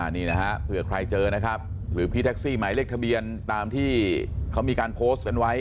นี่นะฮะเผื่อใครเจอนะครับหรือพี่แท็กซี่หมายเลขทะเบียนตามที่เขามีการโพสต์กันไว้